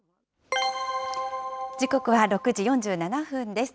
時刻は６時４７分です。